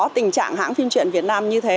tình trạng hãng phim truyện việt nam như thế